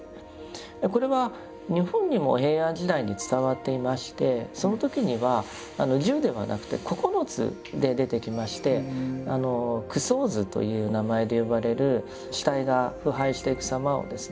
これは日本にも平安時代に伝わっていましてその時には十ではなくて九つで出てきまして「九相図」という名前で呼ばれる死体が腐敗していくさまをですね